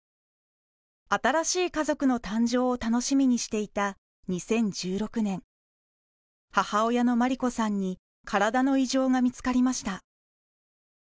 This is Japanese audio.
新しい家族の誕生を楽しみにしていた２０１６年母親の真理子さんに体の異常が見つかりました。